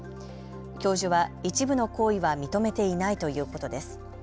教授は一部の行為は認めていないということです。